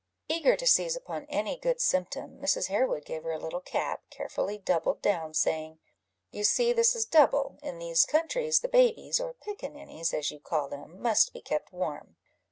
Eager to seize upon any good symptom, Mrs. Harewood gave her a little cap, carefully doubled down, saying "You see this is double; in these countries, the babies, or pickaninnies, as you call them, must be kept warm."